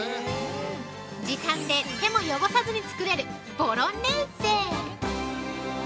◆時短で手も汚さずにつくれるボロネーゼ。